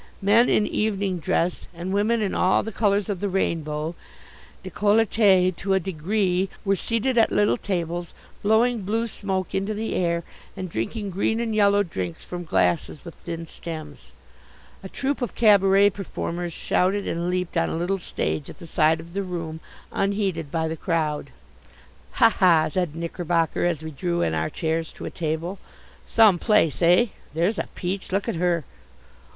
Men in evening dress and women in all the colours of the rainbow, decollete to a degree, were seated at little tables, blowing blue smoke into the air, and drinking green and yellow drinks from glasses with thin stems. A troupe of cabaret performers shouted and leaped on a little stage at the side of the room, unheeded by the crowd. "Ha ha!" said Knickerbocker, as we drew in our chairs to a table. "Some place, eh? There's a peach! Look at her!